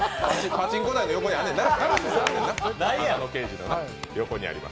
パチンコ台の横にあるんよな。